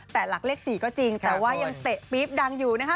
แต่หลักเลข๔ก็จริงแต่ว่ายังเตะปี๊บดังอยู่นะคะ